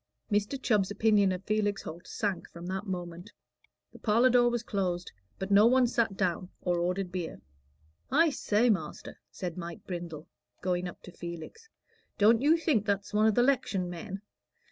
Mr. Chubb's opinion of Felix Holt sank from that moment. The parlor door was closed, but no one sat down or ordered beer. "I say, master," said Mike Brindle, going up to Felix, "don't you think that's one o' the 'lection men?"